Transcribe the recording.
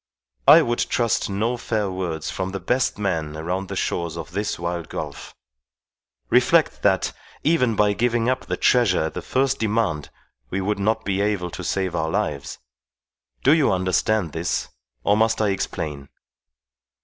I would trust no fair words from the best man around the shores of this wild gulf. Reflect that, even by giving up the treasure at the first demand, we would not be able to save our lives. Do you understand this, or must I explain?"